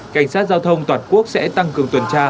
cảnh sát giao thông toàn quốc sẽ tăng cường tuần tra